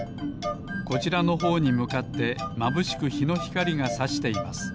こちらのほうにむかってまぶしくひのひかりがさしています。